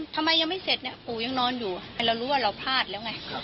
ทำไมยังไม่เสร็จเนี่ยปู่ยังนอนอยู่เรารู้ว่าเราพลาดแล้วไง